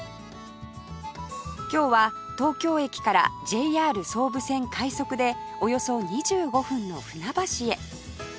今日は東京駅から ＪＲ 総武線快速でおよそ２５分の船橋へ